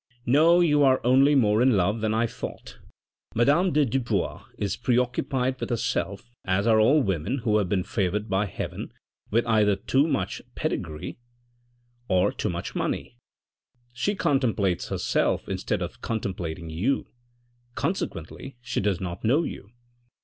" No, you are only more in love than I thought. Madame de Dubois is preoccupied with herself as are all women who have been favoured by heaven either with too much pedigree or too much money. She contemplates herself instead of contem plating you, consequently she does not know you.